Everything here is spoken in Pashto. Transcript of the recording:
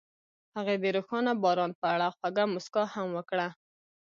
هغې د روښانه باران په اړه خوږه موسکا هم وکړه.